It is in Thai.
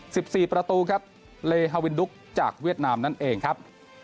สิบสี่ประตูครับเลฮาวินดุกจากเวียดนามนั่นเองครับ